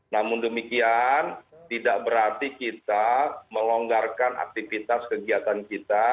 namun demikian tidak berarti kita melonggarkan aktivitas kegiatan kita